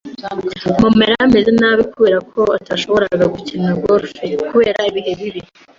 Mama yari ameze nabi kubera ko atashoboraga gukina golf kubera ibihe bibi